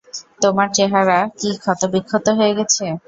তোমার চেহারা কি ক্ষত-বিক্ষত হয়ে গেছে?